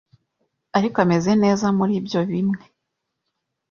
Ariko ameze neza muribyo bimwe